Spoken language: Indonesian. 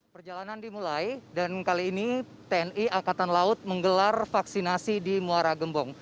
perjalanan dimulai dan kali ini tni angkatan laut menggelar vaksinasi di muara gembong